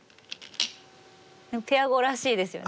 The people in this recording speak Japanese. ペア碁らしいですよね